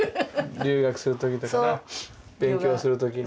留学するときとかな勉強するときに。